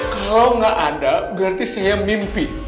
kalau nggak ada berarti saya mimpi